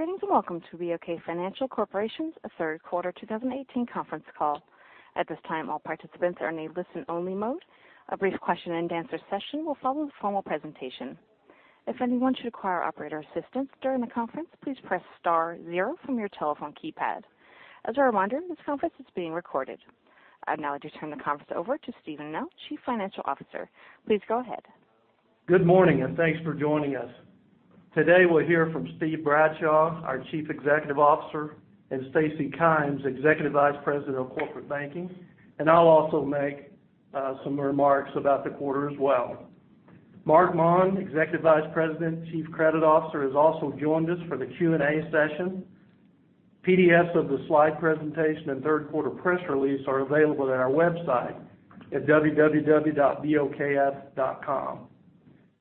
Greetings, and welcome to BOK Financial Corporation's third quarter 2018 conference call. At this time, all participants are in a listen-only mode. A brief question and answer session will follow the formal presentation. If anyone should require operator assistance during the conference, please press star zero from your telephone keypad. As a reminder, this conference is being recorded. I'd now like to turn the conference over to Steven Nell, Chief Financial Officer. Please go ahead. Good morning, and thanks for joining us. Today, we'll hear from Steve Bradshaw, our Chief Executive Officer, and Stacy Kymes, Executive Vice President of Corporate Banking, and I'll also make some remarks about the quarter as well. Marc Maun, Executive Vice President, Chief Credit Officer, has also joined us for the Q&A session. PDFs of the slide presentation and third quarter press release are available at our website at www.bokf.com.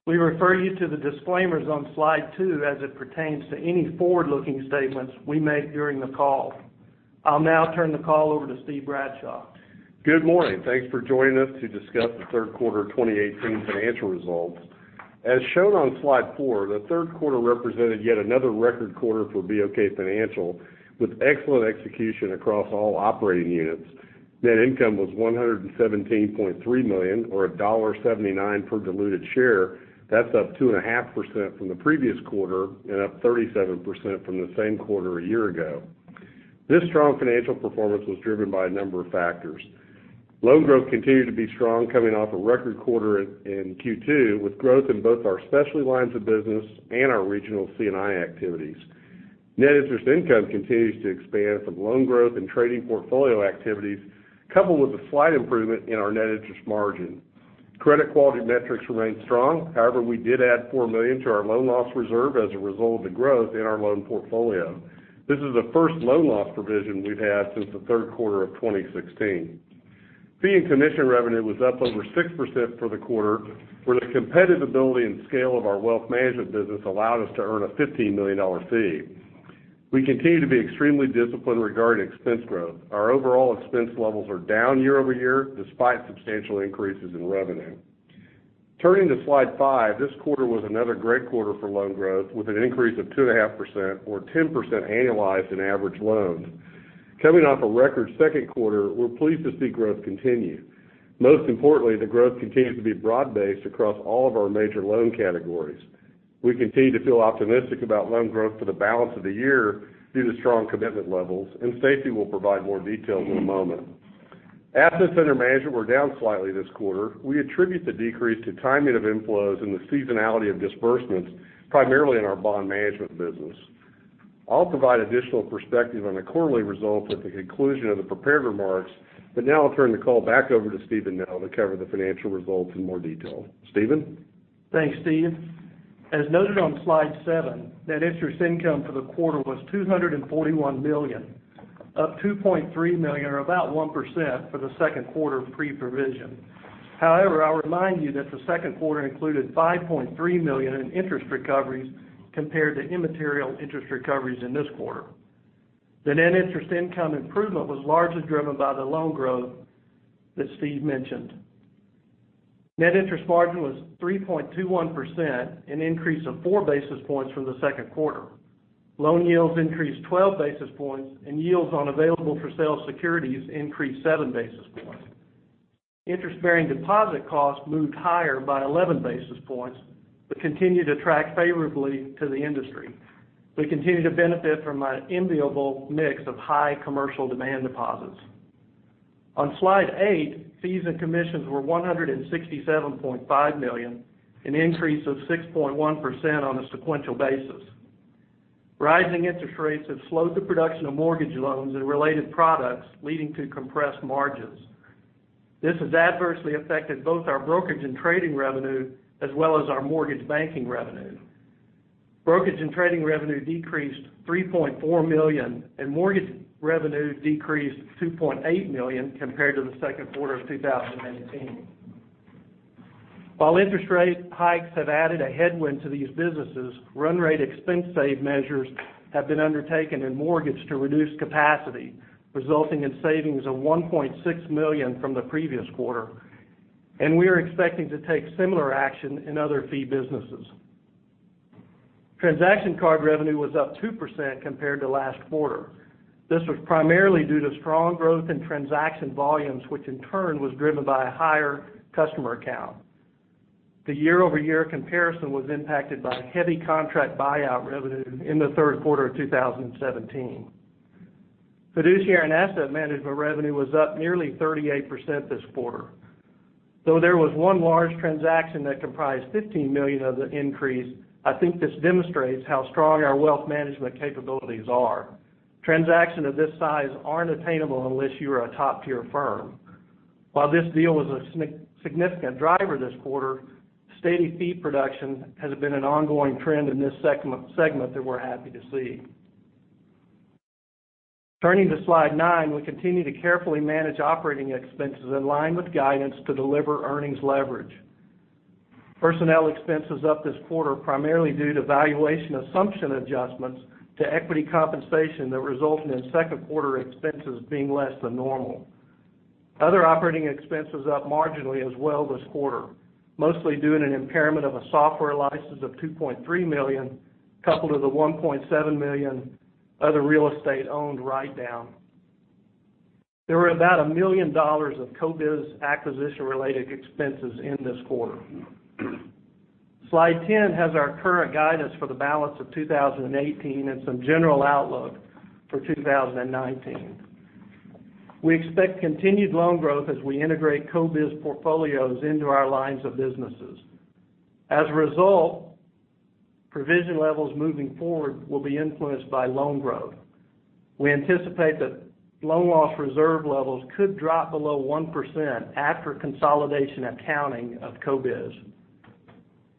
We refer you to the disclaimers on Slide 2 as it pertains to any forward-looking statements we make during the call. I'll now turn the call over to Steve Bradshaw. Good morning. Thanks for joining us to discuss the third quarter 2018 financial results. As shown on Slide 4, the third quarter represented yet another record quarter for BOK Financial, with excellent execution across all operating units. Net income was $117.3 million, or $1.79 per diluted share. That's up 2.5% from the previous quarter and up 37% from the same quarter a year ago. This strong financial performance was driven by a number of factors. Loan growth continued to be strong coming off a record quarter in Q2, with growth in both our specialty lines of business and our regional C&I activities. Net interest income continues to expand from loan growth and trading portfolio activities, coupled with a slight improvement in our net interest margin. Credit quality metrics remain strong. We did add $4 million to our loan loss reserve as a result of the growth in our loan portfolio. This is the first loan loss provision we've had since the third quarter of 2016. Fee and commission revenue was up over 6% for the quarter, where the competitiveness and scale of our wealth management business allowed us to earn a $15 million fee. We continue to be extremely disciplined regarding expense growth. Our overall expense levels are down year-over-year despite substantial increases in revenue. Turning to Slide 5, this quarter was another great quarter for loan growth, with an increase of 2.5% or 10% annualized in average loans. Coming off a record second quarter, we're pleased to see growth continue. Most importantly, the growth continues to be broad-based across all of our major loan categories. We continue to feel optimistic about loan growth for the balance of the year due to strong commitment levels. Stacy will provide more details in a moment. Assets under management were down slightly this quarter. We attribute the decrease to timing of inflows and the seasonality of disbursements, primarily in our bond management business. I'll provide additional perspective on the quarterly results at the conclusion of the prepared remarks. Now I'll turn the call back over to Steven Nell to cover the financial results in more detail. Steven? Thanks, Steve. As noted on Slide seven, net interest income for the quarter was $241 million, up $2.3 million or about 1% for the second quarter pre-provision. I'll remind you that the second quarter included $5.3 million in interest recoveries compared to immaterial interest recoveries in this quarter. The net interest income improvement was largely driven by the loan growth that Steve mentioned. Net interest margin was 3.21%, an increase of four basis points from the second quarter. Loan yields increased 12 basis points, and yields on available for sale securities increased seven basis points. Interest-bearing deposit costs moved higher by 11 basis points, continue to track favorably to the industry. We continue to benefit from an enviable mix of high commercial demand deposits. On Slide eight, fees and commissions were $167.5 million, an increase of 6.1% on a sequential basis. Rising interest rates have slowed the production of mortgage loans and related products, leading to compressed margins. This has adversely affected both our brokerage and trading revenue, as well as our mortgage banking revenue. Brokerage and trading revenue decreased $3.4 million. Mortgage revenue decreased $2.8 million compared to the second quarter of 2018. While interest rate hikes have added a headwind to these businesses, run rate expense save measures have been undertaken in mortgage to reduce capacity, resulting in savings of $1.6 million from the previous quarter. We are expecting to take similar action in other fee businesses. Transaction card revenue was up 2% compared to last quarter. This was primarily due to strong growth in transaction volumes, which in turn was driven by a higher customer count. The year-over-year comparison was impacted by heavy contract buyout revenue in the third quarter of 2017. Fiduciary and asset management revenue was up nearly 38% this quarter. Though there was one large transaction that comprised $15 million of the increase, I think this demonstrates how strong our wealth management capabilities are. Transactions of this size aren't attainable unless you are a top-tier firm. While this deal was a significant driver this quarter, steady fee production has been an ongoing trend in this segment that we're happy to see. Turning to Slide nine, we continue to carefully manage operating expenses in line with guidance to deliver earnings leverage. Personnel expense is up this quarter, primarily due to valuation assumption adjustments to equity compensation that resulted in second quarter expenses being less than normal. Other operating expenses up marginally as well this quarter, mostly due to an impairment of a software license of $2.3 million, coupled with a $1.7 million other real estate owned write-down. There were about $1 million of CoBiz acquisition-related expenses in this quarter. Slide 10 has our current guidance for the balance of 2018 and some general outlook for 2019. We expect continued loan growth as we integrate CoBiz portfolios into our lines of businesses. As a result, provision levels moving forward will be influenced by loan growth. We anticipate that loan loss reserve levels could drop below 1% after consolidation accounting of CoBiz.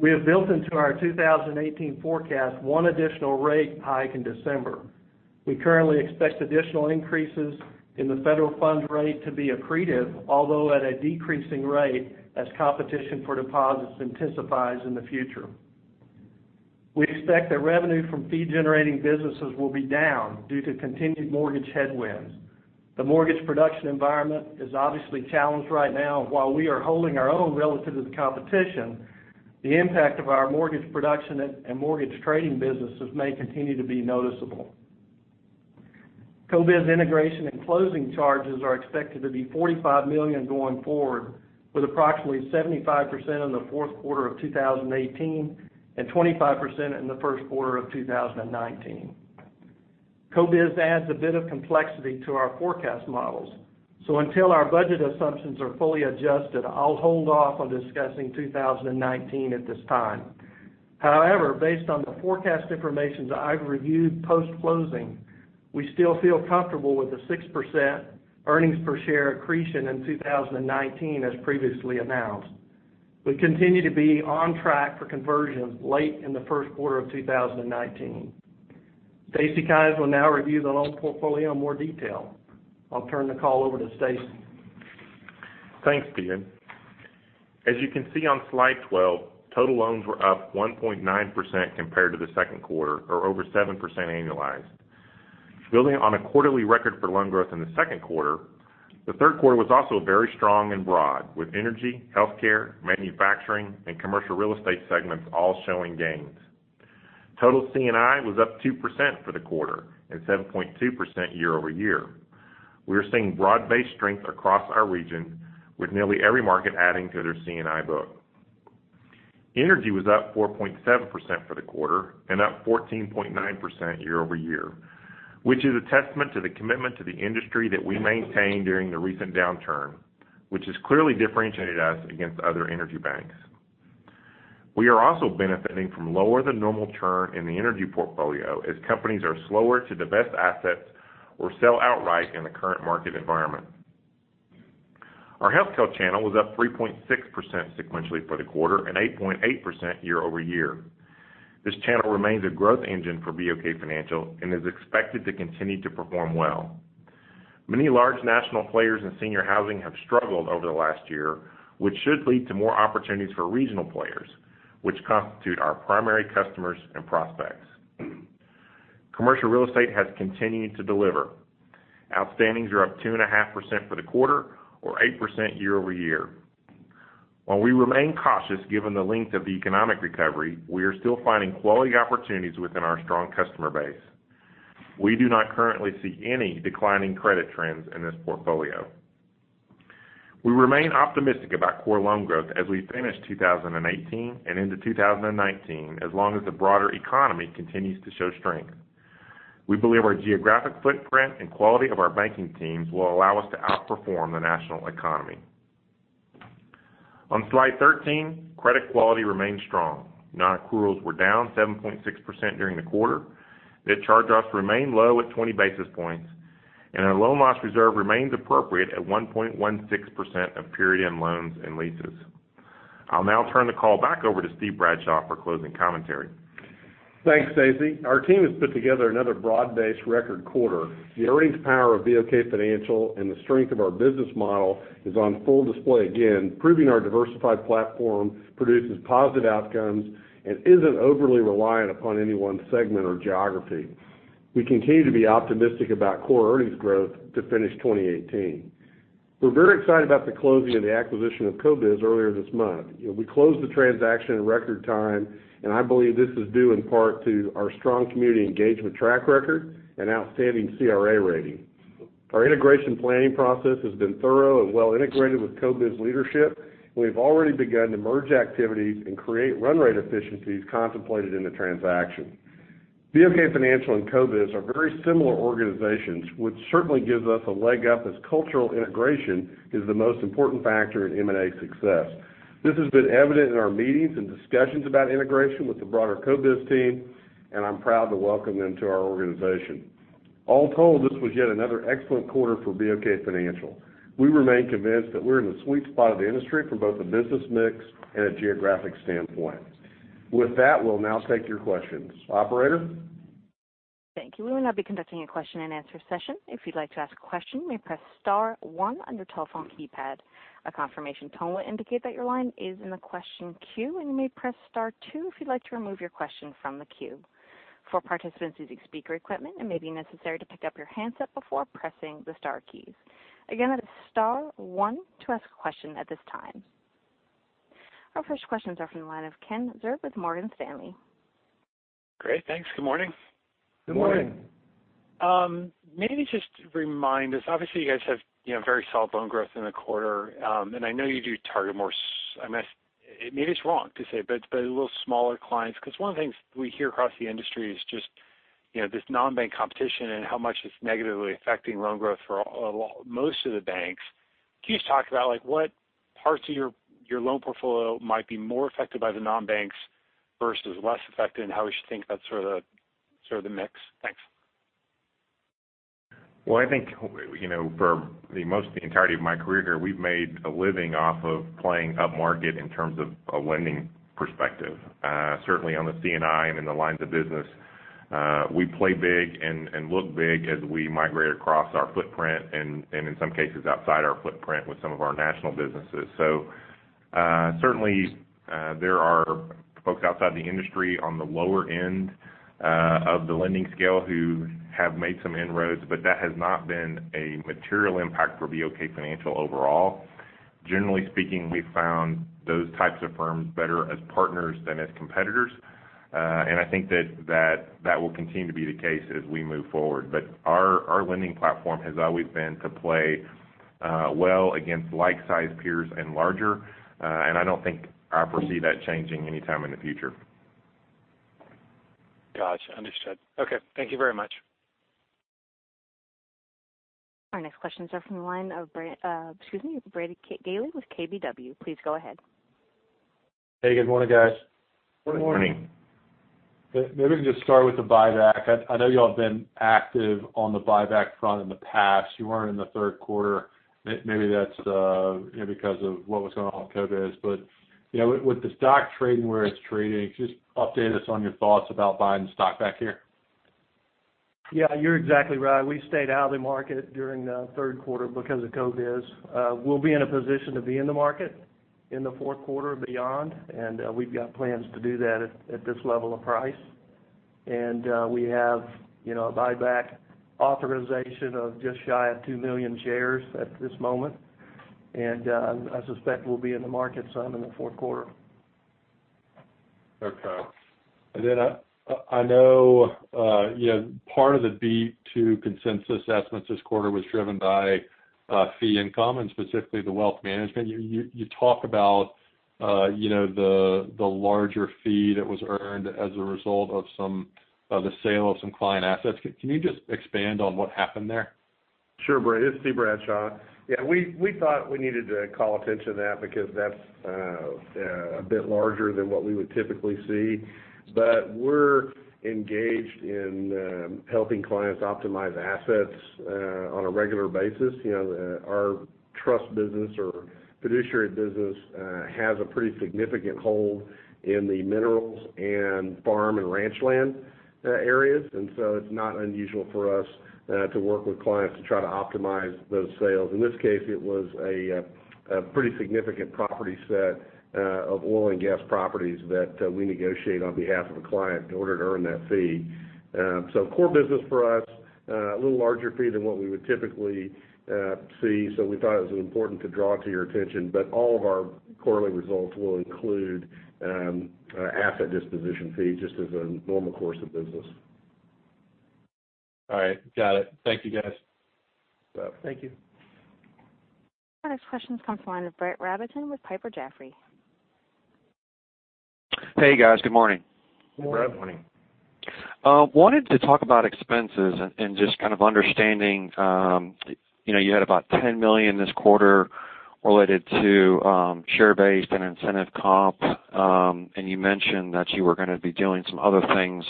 We have built into our 2018 forecast one additional rate hike in December. We currently expect additional increases in the federal funds rate to be accretive, although at a decreasing rate, as competition for deposits intensifies in the future. We expect that revenue from fee-generating businesses will be down due to continued mortgage headwinds. The mortgage production environment is obviously challenged right now. While we are holding our own relative to the competition, the impact of our mortgage production and mortgage trading businesses may continue to be noticeable. CoBiz integration and closing charges are expected to be $45 million going forward, with approximately 75% in the fourth quarter of 2018 and 25% in the first quarter of 2019. CoBiz adds a bit of complexity to our forecast models, so until our budget assumptions are fully adjusted, I'll hold off on discussing 2019 at this time. However, based on the forecast information that I've reviewed post-closing, we still feel comfortable with the 6% earnings per share accretion in 2019, as previously announced. We continue to be on track for conversion late in the first quarter of 2019. Stacy Kymes will now review the loan portfolio in more detail. I'll turn the call over to Stacy. Thanks, Steven. As you can see on Slide 12, total loans were up 1.9% compared to the second quarter or over 7% annualized. Building on a quarterly record for loan growth in the second quarter, the third quarter was also very strong and broad, with energy, healthcare, manufacturing, and commercial real estate segments all showing gains. Total C&I was up 2% for the quarter and 7.2% year-over-year. We are seeing broad-based strength across our region, with nearly every market adding to their C&I book. Energy was up 4.7% for the quarter and up 14.9% year-over-year, which is a testament to the commitment to the industry that we maintained during the recent downturn, which has clearly differentiated us against other energy banks. We are also benefiting from lower than normal churn in the energy portfolio as companies are slower to divest assets or sell outright in the current market environment. Our healthcare channel was up 3.6% sequentially for the quarter and 8.8% year-over-year. This channel remains a growth engine for BOK Financial and is expected to continue to perform well. Many large national players in senior housing have struggled over the last year, which should lead to more opportunities for regional players, which constitute our primary customers and prospects. Commercial real estate has continued to deliver. Outstandings are up 2.5% for the quarter or 8% year-over-year. While we remain cautious given the length of the economic recovery, we are still finding quality opportunities within our strong customer base. We do not currently see any declining credit trends in this portfolio. We remain optimistic about core loan growth as we finish 2018 and into 2019, as long as the broader economy continues to show strength. We believe our geographic footprint and quality of our banking teams will allow us to outperform the national economy. On slide 13, credit quality remains strong. Nonaccruals were down 7.6% during the quarter. Net charge-offs remain low at 20 basis points, and our loan loss reserve remains appropriate at 1.16% of period end loans and leases. I'll now turn the call back over to Steve Bradshaw for closing commentary. Thanks, Stacy. Our team has put together another broad-based record quarter. The earnings power of BOK Financial and the strength of our business model is on full display again, proving our diversified platform produces positive outcomes and isn't overly reliant upon any one segment or geography. We continue to be optimistic about core earnings growth to finish 2018. We're very excited about the closing of the acquisition of CoBiz earlier this month. We closed the transaction in record time, and I believe this is due in part to our strong community engagement track record and outstanding CRA rating. Our integration planning process has been thorough and well integrated with CoBiz leadership, and we've already begun to merge activities and create run rate efficiencies contemplated in the transaction. BOK Financial and CoBiz are very similar organizations, which certainly gives us a leg up as cultural integration is the most important factor in M&A success. This has been evident in our meetings and discussions about integration with the broader CoBiz team, and I'm proud to welcome them to our organization. All told, this was yet another excellent quarter for BOK Financial. We remain convinced that we're in the sweet spot of the industry from both a business mix and a geographic standpoint. With that, we'll now take your questions. Operator? Thank you. We will now be conducting a question-and-answer session. If you'd like to ask a question, you may press star one on your telephone keypad. A confirmation tone will indicate that your line is in the question queue, and you may press star two if you'd like to remove your question from the queue. For participants using speaker equipment, it may be necessary to pick up your handset before pressing the star keys. Again, that is star one to ask a question at this time. Our first questions are from the line of Kenneth Zerbe with Morgan Stanley. Great. Thanks. Good morning. Good morning. Maybe just remind us, obviously, you guys have very solid loan growth in the quarter. I know you do target more, maybe it's wrong to say, but a little smaller clients, because one of the things we hear across the industry is just this non-bank competition and how much it's negatively affecting loan growth for most of the banks. Can you just talk about what parts of your loan portfolio might be more affected by the non-banks versus less affected and how we should think about sort of the mix? Thanks. Well, I think, for the most of the entirety of my career here, we've made a living off of playing upmarket in terms of a lending perspective. Certainly, on the C&I and in the lines of business, we play big and look big as we migrate across our footprint and in some cases outside our footprint with some of our national businesses. Certainly, there are folks outside the industry on the lower end of the lending scale who have made some inroads, but that has not been a material impact for BOK Financial overall. Generally speaking, we've found those types of firms better as partners than as competitors. I think that will continue to be the case as we move forward. Our lending platform has always been to play well against like-sized peers and larger. I don't think I foresee that changing anytime in the future. Got you. Understood. Okay. Thank you very much. Our next questions are from the line of excuse me, Brady Gailey with KBW. Please go ahead. Hey, good morning, guys. Good morning. Maybe we can just start with the buyback. I know you all have been active on the buyback front in the past. You weren't in the third quarter. Maybe that's because of what was going on with CoBiz. With the stock trading where it's trading, just update us on your thoughts about buying stock back here. Yeah, you're exactly right. We stayed out of the market during the third quarter because of CoBiz. We'll be in a position to be in the market in the fourth quarter or beyond, we've got plans to do that at this level of price. We have a buyback authorization of just shy of 2 million shares at this moment. I suspect we'll be in the market some in the fourth quarter. Okay. I know part of the beat to consensus estimates this quarter was driven by fee income and specifically the wealth management. You talk about the larger fee that was earned as a result of the sale of some client assets. Can you just expand on what happened there? Sure, Brady. This is Steve Bradshaw. Yeah, we thought we needed to call attention to that because that's a bit larger than what we would typically see. We're engaged in helping clients optimize assets on a regular basis. Our trust business or fiduciary business has a pretty significant hold in the minerals and farm and ranch land areas. It's not unusual for us to work with clients to try to optimize those sales. In this case, it was a pretty significant property set of oil and gas properties that we negotiate on behalf of a client in order to earn that fee. Core business for us, a little larger fee than what we would typically see. We thought it was important to draw to your attention. All of our quarterly results will include an asset disposition fee just as a normal course of business. All right. Got it. Thank you, guys. Thank you. Our next question comes from the line of Brett Rabatin with Piper Jaffray. Hey, guys. Good morning. Hey, Brett. Morning. I wanted to talk about expenses and just kind of understanding, you had about $10 million this quarter related to share-based and incentive comp. You mentioned that you were going to be doing some other things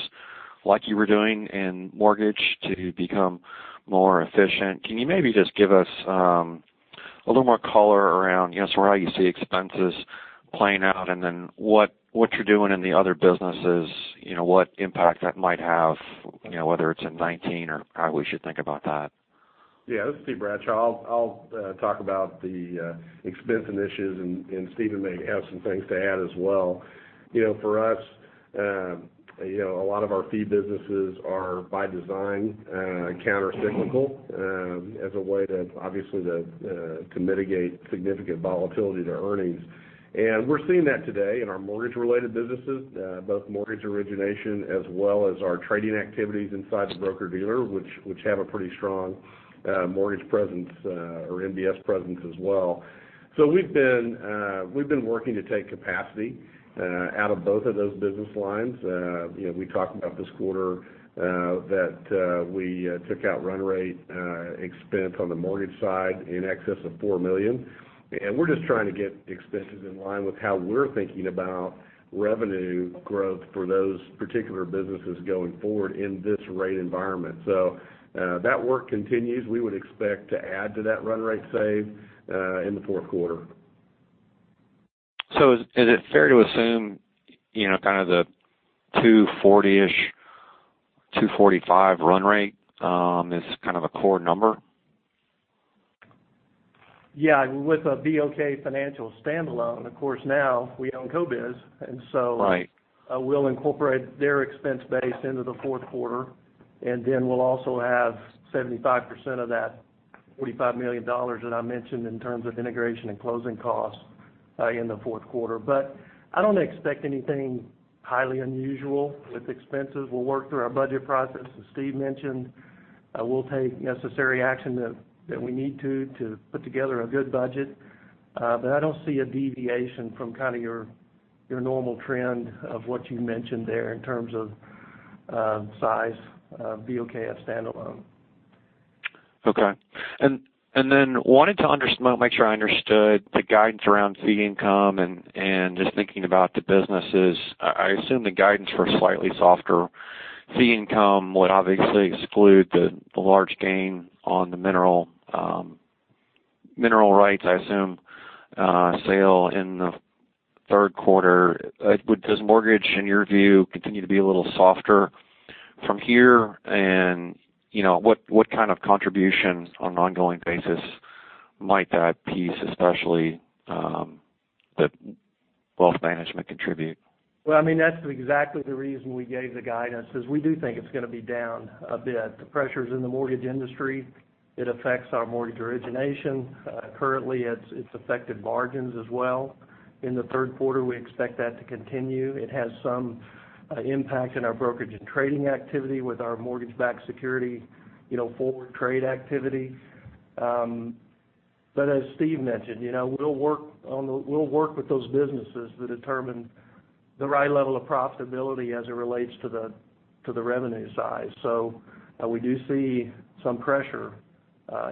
like you were doing in mortgage to become more efficient. Can you maybe just give us a little more color around how you see expenses playing out and then what you're doing in the other businesses, what impact that might have, whether it's in 2019 or how we should think about that? Yeah. This is Steve Bradshaw. I'll talk about the expense initiatives, Steven may have some things to add as well. For us, a lot of our fee businesses are by design, countercyclical, as a way to, obviously to mitigate significant volatility to earnings. We're seeing that today in our mortgage-related businesses, both mortgage origination as well as our trading activities inside the broker-dealer, which have a pretty strong mortgage presence or MBS presence as well. We've been working to take capacity out of both of those business lines. We talked about this quarter that we took out run rate expense on the mortgage side in excess of $4 million. We're just trying to get expenses in line with how we're thinking about revenue growth for those particular businesses going forward in this rate environment. That work continues. We would expect to add to that run rate save in the fourth quarter. Is it fair to assume, kind of the $240-ish, $245 run rate is kind of a core number? Yeah. With a BOK Financial standalone, of course, now we own CoBiz. Right We'll incorporate their expense base into the fourth quarter, then we'll also have 75% of that $45 million that I mentioned in terms of integration and closing costs in the fourth quarter. I don't expect anything highly unusual with expenses. We'll work through our budget process, as Steve mentioned. We'll take necessary action that we need to put together a good budget. I don't see a deviation from your normal trend of what you mentioned there in terms of size of BOK as standalone. Okay. I wanted to make sure I understood the guidance around fee income and just thinking about the businesses. I assume the guidance for slightly softer fee income would obviously exclude the large gain on the mineral rights, I assume, sale in the third quarter. Does mortgage, in your view, continue to be a little softer from here? What kind of contribution on an ongoing basis might that piece, especially the wealth management contribute? That's exactly the reason we gave the guidance, is we do think it's going to be down a bit. The pressures in the mortgage industry, it affects our mortgage origination. Currently, it's affected margins as well. In the third quarter, we expect that to continue. It has some impact in our brokerage and trading activity with our mortgage-backed security, forward trade activity. As Steve mentioned, we'll work with those businesses to determine the right level of profitability as it relates to the revenue side. We do see some pressure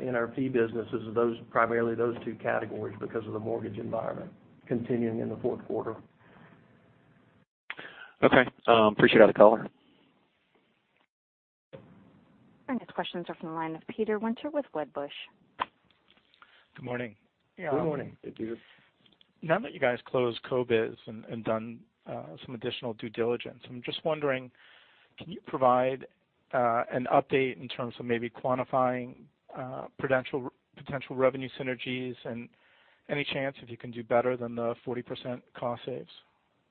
in our fee businesses, primarily those two categories because of the mortgage environment continuing in the fourth quarter. Okay. Appreciate it. I'll call her. Our next questions are from the line of Peter Winter with Wedbush. Good morning. Good morning. Hey, Peter. Now that you guys closed CoBiz and done some additional due diligence, I'm just wondering, can you provide an update in terms of maybe quantifying potential revenue synergies, and any chance if you can do better than the 40% cost saves?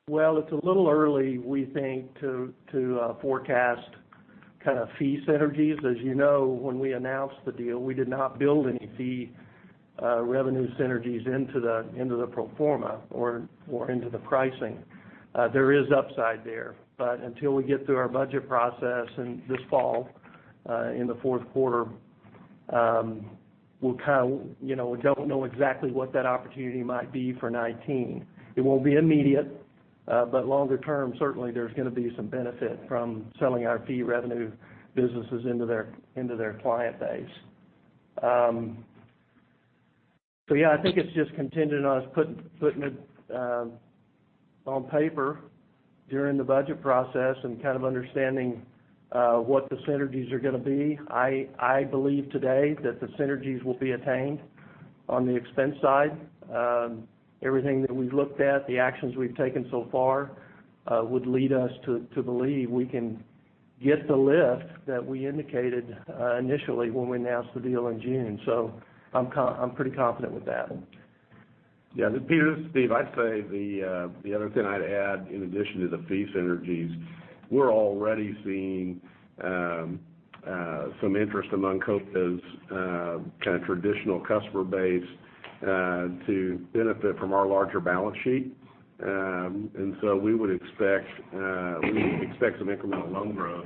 It's a little early, we think, to forecast fee synergies. As you know, when we announced the deal, we did not build any fee revenue synergies into the pro forma or into the pricing. There is upside there, until we get through our budget process this fall, in the fourth quarter, we don't know exactly what that opportunity might be for 2019. It won't be immediate. Longer term, certainly, there's going to be some benefit from selling our fee revenue businesses into their client base. Yeah, I think it's just contingent on us putting it on paper during the budget process and understanding what the synergies are going to be. I believe today that the synergies will be attained on the expense side. Everything that we've looked at, the actions we've taken so far, would lead us to believe we can get the lift that we indicated initially when we announced the deal in June. I'm pretty confident with that one. Yeah. Peter, this is Steve. I'd say the other thing I'd add, in addition to the fee synergies, we're already seeing some interest among CoBiz kind of traditional customer base to benefit from our larger balance sheet. We would expect some incremental loan growth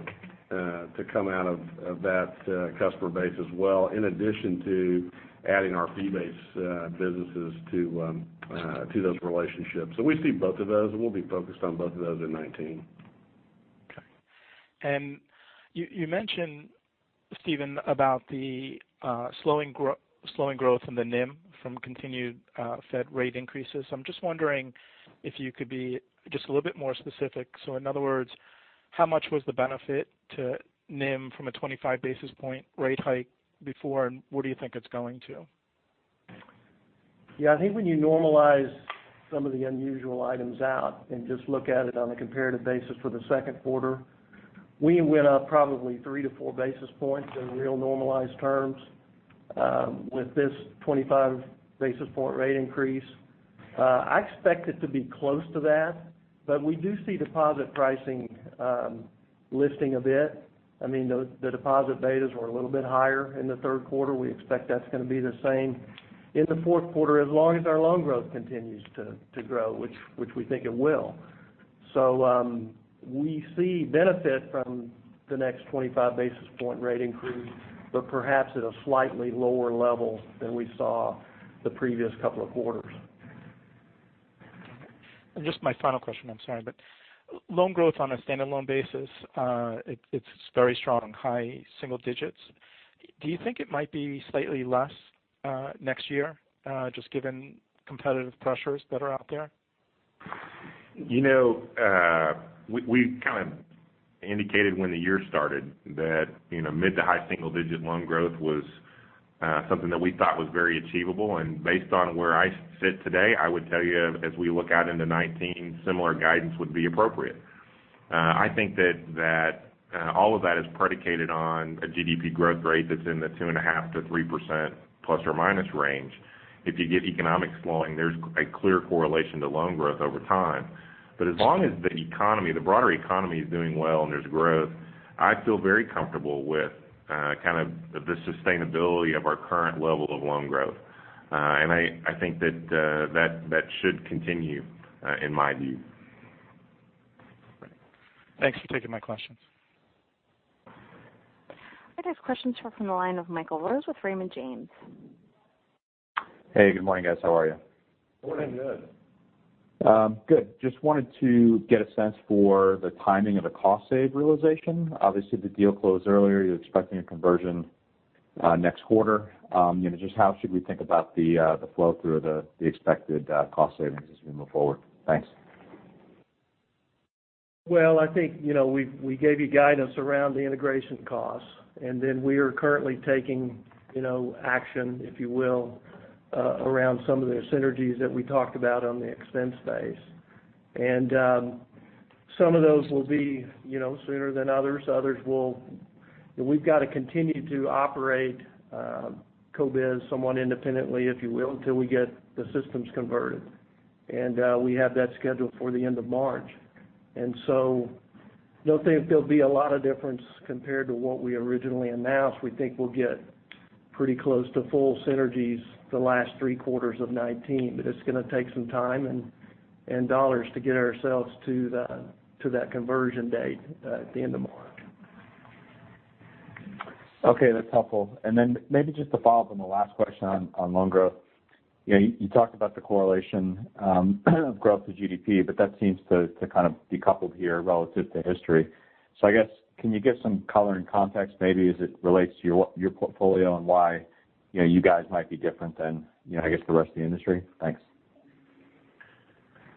to come out of that customer base as well, in addition to adding our fee-based businesses to those relationships. We see both of those. We'll be focused on both of those in 2019. Okay. You mentioned, Steven, about the slowing growth in the NIM from continued Fed rate increases. I'm just wondering if you could be just a little bit more specific. In other words, how much was the benefit to NIM from a 25 basis point rate hike before, and where do you think it's going to? Yeah. I think when you normalize some of the unusual items out and just look at it on a comparative basis for the second quarter, we went up probably 3-4 basis points in real normalized terms with this 25 basis point rate increase. I expect it to be close to that, but we do see deposit pricing lifting a bit. The deposit betas were a little bit higher in the third quarter. We expect that's going to be the same in the fourth quarter, as long as our loan growth continues to grow, which we think it will. We see benefit from the next 25 basis point rate increase, but perhaps at a slightly lower level than we saw the previous couple of quarters. Okay. Just my final question, I'm sorry, loan growth on a standalone basis, it's very strong, high single digits. Do you think it might be slightly less next year just given competitive pressures that are out there? We kind of indicated when the year started that mid to high single digit loan growth was something that we thought was very achievable. Based on where I sit today, I would tell you, as we look out into 2019, similar guidance would be appropriate. I think that all of that is predicated on a GDP growth rate that's in the 2.5%-3% ± range. If you get economics slowing, there's a clear correlation to loan growth over time. As long as the broader economy is doing well and there's growth, I feel very comfortable with the sustainability of our current level of loan growth. I think that should continue, in my view. Thanks for taking my questions. Our next questions are from the line of Michael Rose with Raymond James. Hey, good morning, guys. How are you? Morning. Good. Good. Just wanted to get a sense for the timing of the cost save realization. Obviously, the deal closed earlier. You're expecting a conversion next quarter. Just how should we think about the flow through of the expected cost savings as we move forward? Thanks. Well, I think, we gave you guidance around the integration costs. We are currently taking action, if you will, around some of the synergies that we talked about on the expense base. Some of those will be sooner than others. We've got to continue to operate CoBiz somewhat independently, if you will, until we get the systems converted. We have that scheduled for the end of March. Don't think there'll be a lot of difference compared to what we originally announced. We think we'll get pretty close to full synergies the last 3 quarters of 2019. It's going to take some time and dollars to get ourselves to that conversion date at the end of March. Okay. That's helpful. Maybe just to follow up on the last question on loan growth. You talked about the correlation of growth to GDP, but that seems to kind of decouple here relative to history. I guess, can you give some color and context maybe as it relates to your portfolio and why you guys might be different than, I guess, the rest of the industry? Thanks.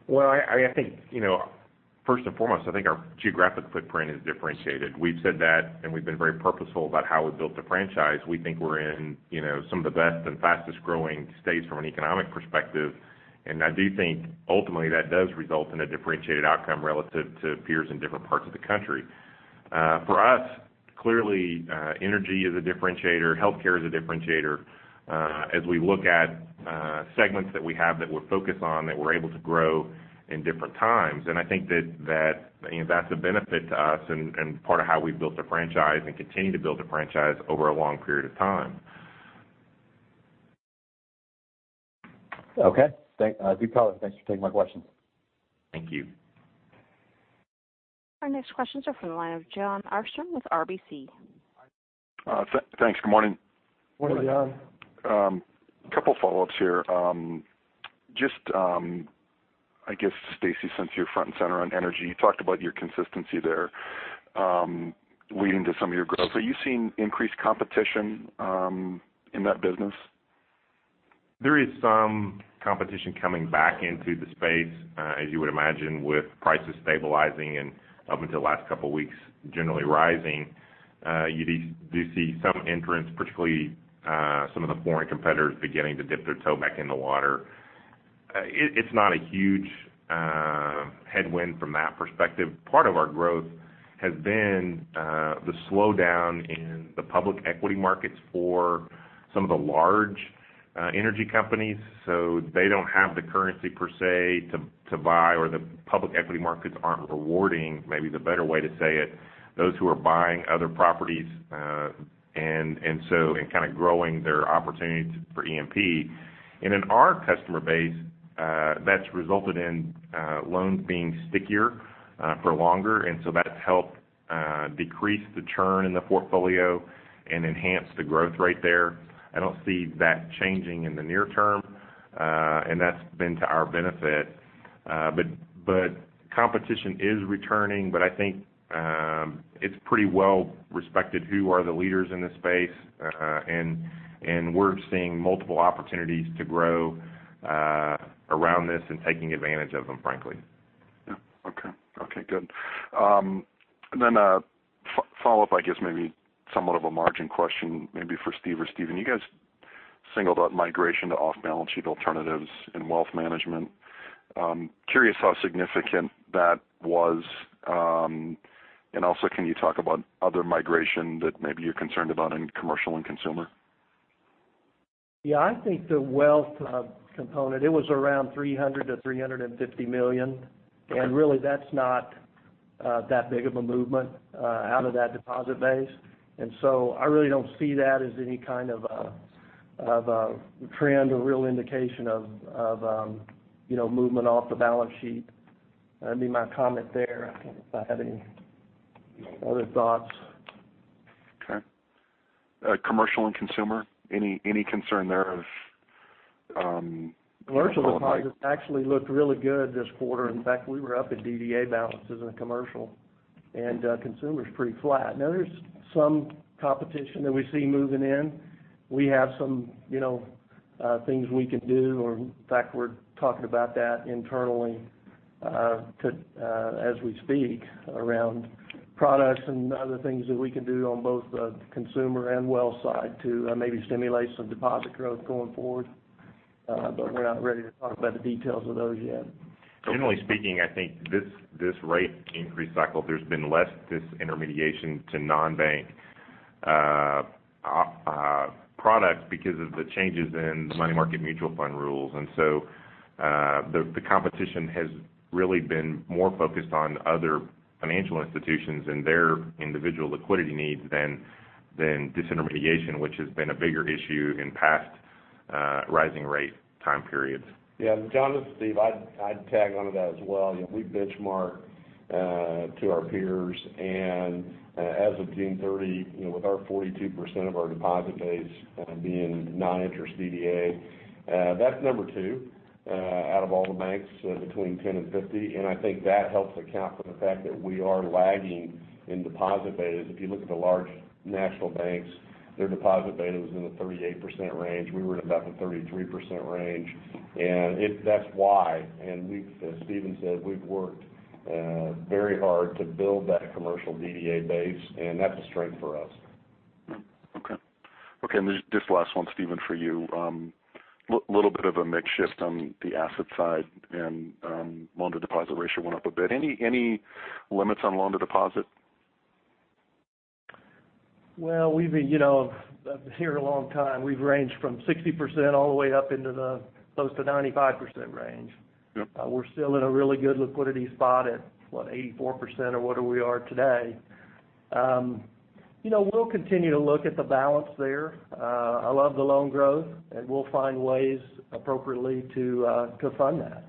Well, first and foremost, I think our geographic footprint is differentiated. We've said that. We've been very purposeful about how we've built the franchise. We think we're in some of the best and fastest-growing states from an economic perspective. I do think ultimately that does result in a differentiated outcome relative to peers in different parts of the country. For us, clearly, energy is a differentiator. Healthcare is a differentiator. As we look at segments that we have that we're focused on, that we're able to grow in different times. I think that's a benefit to us and part of how we've built the franchise and continue to build the franchise over a long period of time. Okay. Good color. Thanks for taking my questions. Thank you. Our next questions are from the line of Jon Arfstrom with RBC. Thanks. Good morning. Morning, Jon. Couple follow-ups here. Just, I guess, Stacy, since you're front and center on energy, you talked about your consistency there leading to some of your growth. Are you seeing increased competition in that business? There is some competition coming back into the space. As you would imagine, with prices stabilizing and up until the last couple of weeks, generally rising, you do see some entrants, particularly some of the foreign competitors, beginning to dip their toe back in the water. It's not a huge headwind from that perspective. Part of our growth has been the slowdown in the public equity markets for some of the large energy companies. They don't have the currency per se to buy, or the public equity markets aren't rewarding, maybe the better way to say it, those who are buying other properties, kind of growing their opportunities for E&P. In our customer base, that's resulted in loans being stickier for longer, that's helped decrease the churn in the portfolio and enhance the growth rate there. I don't see that changing in the near term. That's been to our benefit. Competition is returning, but I think it's pretty well respected who are the leaders in this space, and we're seeing multiple opportunities to grow around this and taking advantage of them, frankly. Yeah. Okay, good. A follow-up, I guess maybe somewhat of a margin question, maybe for Steve or Stephen. You guys singled out migration to off-balance-sheet alternatives in wealth management. Curious how significant that was. Also, can you talk about other migration that maybe you're concerned about in commercial and consumer? Yeah, I think the wealth component, it was around $300 million-$350 million, really that's not that big of a movement out of that deposit base. I really don't see that as any kind of a trend or real indication of movement off the balance sheet. That'd be my comment there. I don't know if I have any other thoughts. Okay. Commercial and consumer, any concern there of. Commercial deposits actually looked really good this quarter. In fact, we were up in DDA balances in commercial, consumer's pretty flat. There's some competition that we see moving in. We have some things we can do, or in fact, we're talking about that internally as we speak around products and other things that we can do on both the consumer and wealth side to maybe stimulate some deposit growth going forward. We're not ready to talk about the details of those yet. Generally speaking, I think this rate increase cycle, there's been less disintermediation to non-bank products because of the changes in the money market mutual fund rules. The competition has really been more focused on other financial institutions and their individual liquidity needs than disintermediation, which has been a bigger issue in past rising rate time periods. Yeah, Jon, this is Steve. I'd tag onto that as well. We benchmark to our peers, as of June 30, with our 42% of our deposit base being non-interest DDA, that's number 2 out of all the banks between 10 and 50. I think that helps account for the fact that we are lagging in deposit betas. If you look at the large national banks, their deposit beta was in the 38% range. We were in about the 33% range. That's why. As Steven said, we've worked very hard to build that commercial DDA base, and that's a strength for us. Okay. Just last one, Steven, for you. Little bit of a mix shift on the asset side and loan-to-deposit ratio went up a bit. Any limits on loan-to-deposit? Well, I've been here a long time. We've ranged from 60% all the way up into the close to 95% range. Yep. We're still in a really good liquidity spot at, what, 84% or whatever we are today. We'll continue to look at the balance there. I love the loan growth, we'll find ways appropriately to fund that.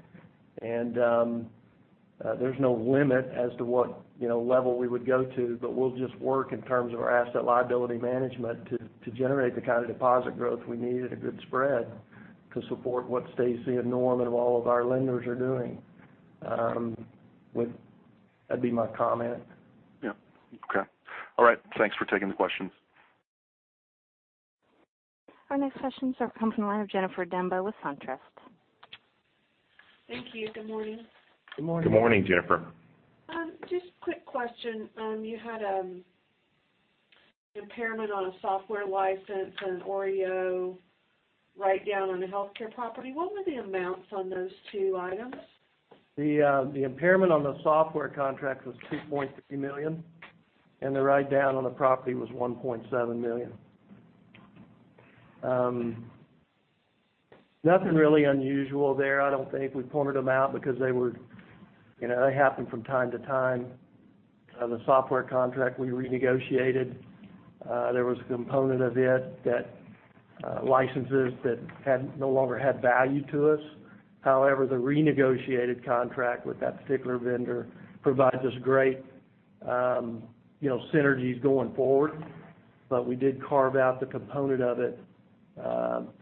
There's no limit as to what level we would go to, but we'll just work in terms of our asset liability management to generate the kind of deposit growth we need at a good spread to support what Stacy and Norm and all of our lenders are doing. That'd be my comment. Yeah. Okay. All right. Thanks for taking the questions. Our next questions come from the line of Jennifer Demba with SunTrust. Thank you. Good morning. Good morning. Good morning, Jennifer. Just quick question. You had an impairment on a software license and OREO write-down on a healthcare property. What were the amounts on those two items? The impairment on the software contract was $2.3 million, and the write-down on the property was $1.7 million. Nothing really unusual there, I don't think. We pointed them out because they happen from time to time. The software contract we renegotiated, there was a component of it that licenses that no longer had value to us. However, the renegotiated contract with that particular vendor provides us great synergies going forward. We did carve out the component of it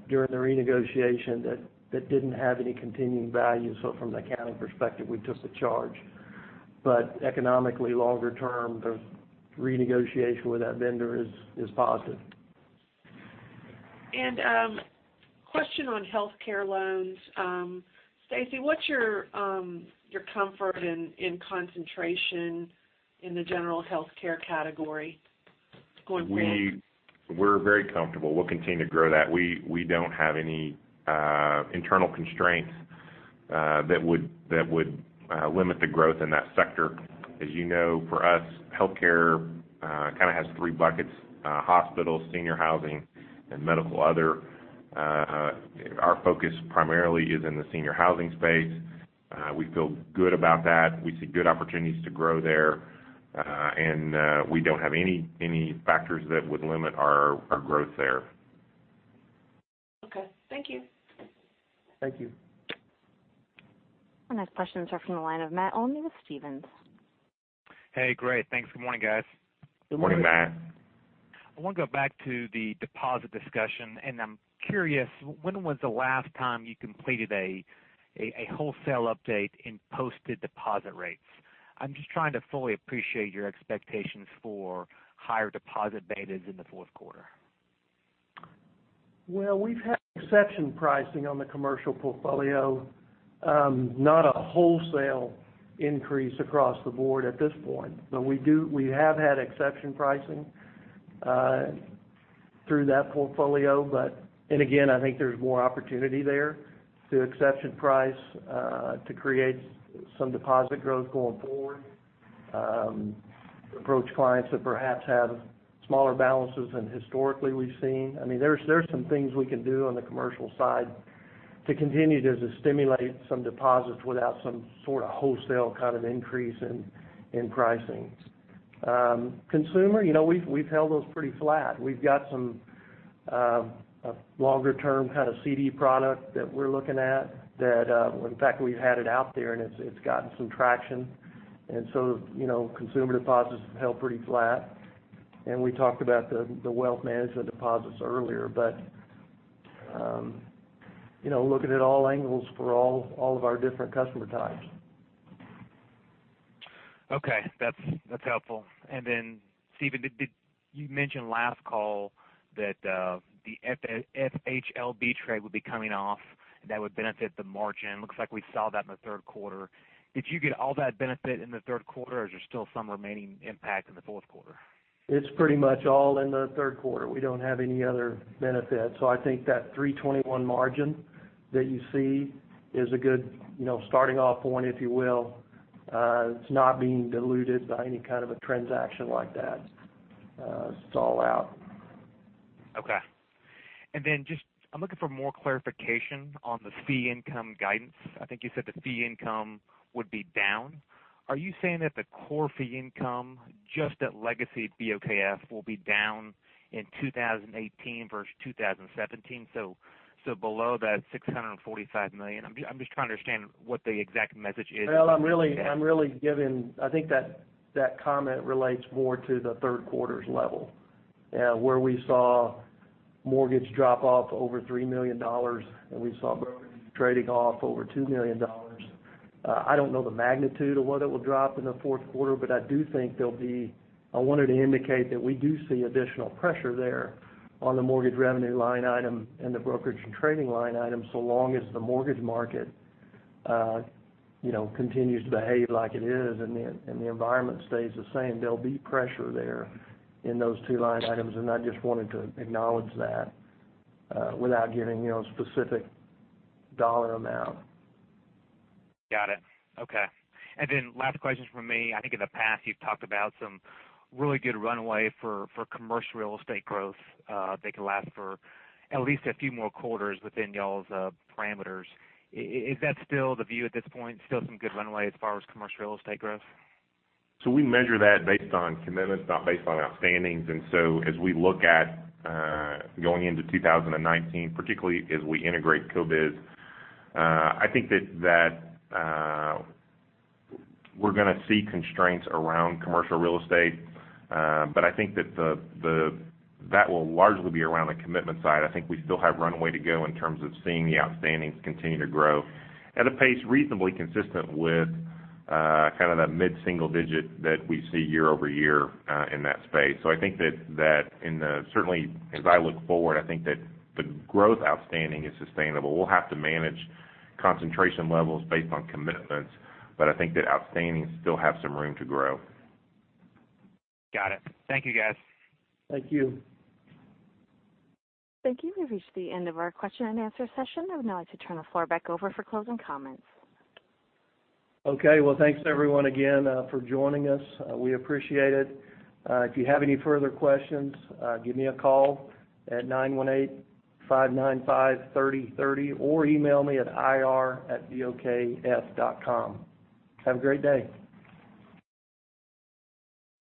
during the renegotiation that didn't have any continuing value. From the accounting perspective, we took the charge. Economically, longer term, the renegotiation with that vendor is positive. Question on healthcare loans. Stacy, what's your comfort in concentration in the general healthcare category going forward? We're very comfortable. We'll continue to grow that. We don't have any internal constraints that would limit the growth in that sector. As you know, for us, healthcare kind of has three buckets: hospitals, senior housing, and medical other. Our focus primarily is in the senior housing space. We feel good about that. We see good opportunities to grow there. We don't have any factors that would limit our growth there. Okay. Thank you. Thank you. Our next questions are from the line of Matt Olney with Stephens. Hey, great. Thanks. Good morning, guys. Good morning. Morning, Matt. I want to go back to the deposit discussion. I'm curious, when was the last time you completed a wholesale update in posted deposit rates? I'm just trying to fully appreciate your expectations for higher deposit betas in the fourth quarter. Well, we've had exception pricing on the commercial portfolio. Not a wholesale increase across the board at this point. We have had exception pricing through that portfolio. Again, I think there's more opportunity there to exception price to create some deposit growth going forward. Approach clients that perhaps have smaller balances than historically we've seen. There's some things we can do on the commercial side to continue to stimulate some deposits without some sort of wholesale kind of increase in pricing. Consumer, we've held those pretty flat. We've got some longer-term kind of CD product that we're looking at that, in fact, we've had it out there, and it's gotten some traction. Consumer deposits have held pretty flat. We talked about the wealth management deposits earlier, looking at all angles for all of our different customer types. Okay. That's helpful. Steven, you mentioned last call that the FHLB trade would be coming off, that would benefit the margin. Looks like we saw that in the third quarter. Did you get all that benefit in the third quarter, or is there still some remaining impact in the fourth quarter? It's pretty much all in the third quarter. We don't have any other benefit. I think that 321 margin that you see is a good starting off point, if you will. It's not being diluted by any kind of a transaction like that. It's all out. Then I'm looking for more clarification on the fee income guidance. I think you said the fee income would be down. Are you saying that the core fee income, just at legacy BOKF, will be down in 2018 versus 2017, so below that $645 million? I'm just trying to understand what the exact message is. Well, I think that comment relates more to the third quarter's level, where we saw mortgage drop off over $3 million, and we saw brokerage and trading off over $2 million. I don't know the magnitude of what it will drop in the fourth quarter, but I wanted to indicate that we do see additional pressure there on the mortgage revenue line item and the brokerage and trading line item, so long as the mortgage market continues to behave like it is, and the environment stays the same. There'll be pressure there in those two line items, and I just wanted to acknowledge that without giving specific dollar amount. Got it. Okay. Then last question from me. I think in the past, you've talked about some really good runway for commercial real estate growth that can last for at least a few more quarters within y'all's parameters. Is that still the view at this point, still some good runway as far as commercial real estate growth? We measure that based on commitments, not based on outstandings. As we look at going into 2019, particularly as we integrate CoBiz, I think that we're going to see constraints around commercial real estate. I think that will largely be around the commitment side. I think we still have runway to go in terms of seeing the outstandings continue to grow at a pace reasonably consistent with kind of the mid-single digit that we see year-over-year in that space. I think that certainly, as I look forward, I think that the growth outstanding is sustainable. We'll have to manage concentration levels based on commitments, but I think that outstandings still have some room to grow. Got it. Thank you, guys. Thank you. Thank you. We've reached the end of our question and answer session. I would now like to turn the floor back over for closing comments. Okay. Well, thanks everyone again for joining us. We appreciate it. If you have any further questions, give me a call at 918-595-3030 or email me at ir@bokf.com. Have a great day.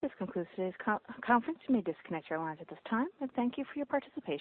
This concludes today's conference. You may disconnect your lines at this time, and thank you for your participation.